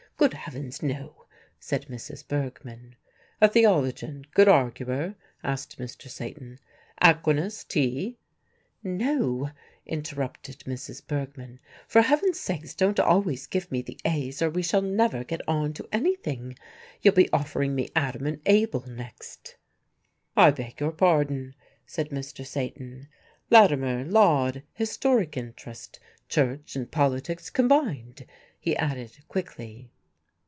"Good heavens, no," said Mrs. Bergmann. "A Theologian, good arguer?" asked Mr. Satan, "Aquinas, T?" "No," interrupted Mrs. Bergmann, "for heaven's sake don't always give me the A's, or we shall never get on to anything. You'll be offering me Adam and Abel next." "I beg your pardon," said Mr. Satan, "Latimer, Laud Historic Interest, Church and Politics combined," he added quickly.